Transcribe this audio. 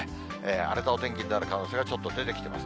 荒れたお天気になる可能性がちょっと出てきてます。